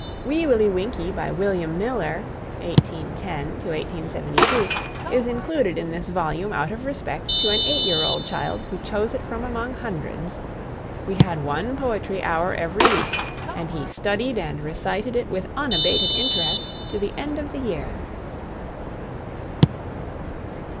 "Wee Willie Winkie," by William Miller (1810 72), is included in this volume out of respect to an eight year old child who chose it from among hundreds. We had one poetry hour every week, and he studied and recited it with unabated interest to the end of the year.